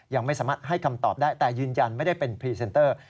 ยังไม่สามารถให้คำตอบได้แต่ยืนยันไม่ได้เป็นพรีเซนเตอร์